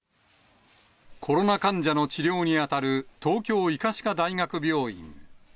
コロナ患者の治療に当たる東京医科歯科大学病院。